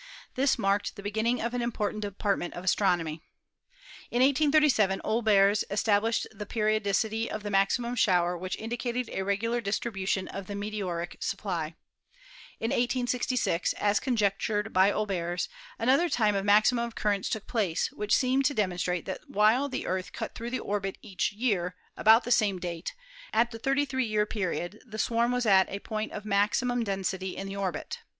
This marked the beginning of an important department of astronomy. In 1837 Olbers established the periodicity of the maximum shower which indicated a regular distribution of the meteoric supply. In 1866, as conjectured by Olbers, another time of maximum occurrence took place, which seemed to demonstrate that while the Earth cut through the orbit each year about the same date, at the 33 year period the swarm was at a point of maximum density in the orbit.